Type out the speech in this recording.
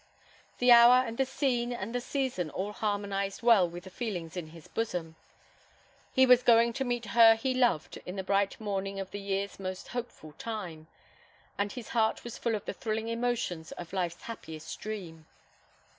The hour and the scene and the season all harmonised well with the feelings in his bosom. He was going to meet her he loved in the bright morning of the year's most hopeful time, and his heart was full of the thrilling emotions of life's happiest dream.